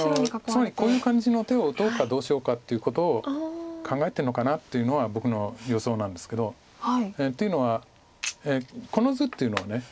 つまりこういう感じの手を打とうかどうしようかっていうことを考えてるのかなっていうのは僕の予想なんですけど。というのはこの図っていうのは。